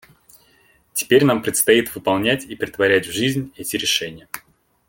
Теперь нам предстоит выполнять и претворять в жизнь эти решения.